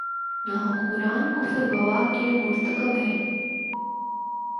نہ حکمران کفر بواح کے مرتکب ہیں۔